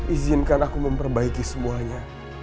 izinkan aku memperbaiki semuanya